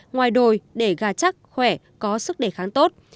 ngoài đồi để gà chắc khỏe có sức đề kháng tốt